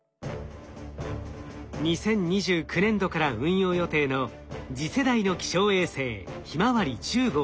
２０２９年度から運用予定の次世代の気象衛星ひまわり１０号。